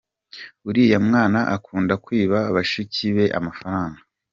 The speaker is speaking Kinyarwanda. Uriya mwana akunda kwiba bashiki be amafaranga.